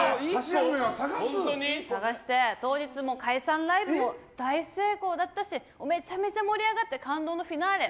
探して、当日解散ライブも大成功だったしめちゃめちゃ盛り上がって感動のフィナーレ。